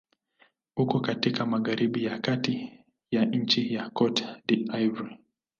Uko katika magharibi ya kati ya nchi Cote d'Ivoire.